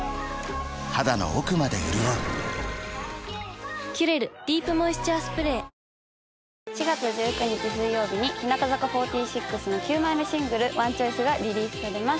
肌の奥まで潤う「キュレルディープモイスチャースプレー」４月１９日水曜日に日向坂４６の９枚目シングル『Ｏｎｅｃｈｏｉｃｅ』がリリースされます。